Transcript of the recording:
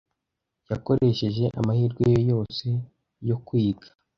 Yakoresheje amahirwe ye yose yo kwiga.